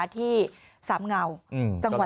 ที่สามเงาจังหวัด